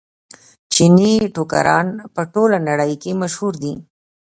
چیني ټوکران په ټوله نړۍ کې مشهور دي.